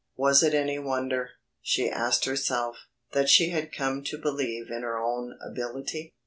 Was it any wonder, she asked herself, that she had come to believe in her own ability.